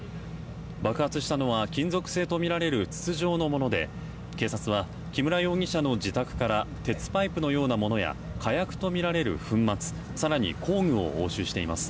爆発したのは金属製とみられる筒状のもので警察は木村容疑者の自宅から鉄パイプのようなものや火薬とみられる粉末更に工具を押収しています。